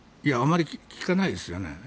あまり聞かないですよね。